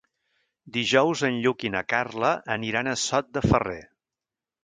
Dijous en Lluc i na Carla aniran a Sot de Ferrer.